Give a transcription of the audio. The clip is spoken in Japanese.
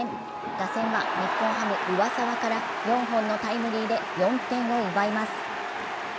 打線は日本ハム・上沢から４本のタイムリーで４点を奪います。